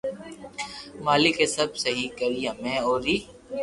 مالڪ اي سب سھي ڪرئي ھمي اوري